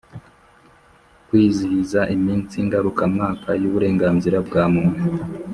Kwizihiza iminsi ngarukamwaka y uburenganzira bwa Muntu